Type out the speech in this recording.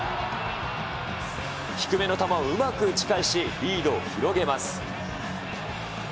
低めの球をうまく打ち返し、リードを広げます。